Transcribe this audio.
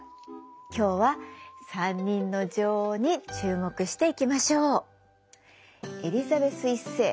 今日は３人の女王に注目していきましょう。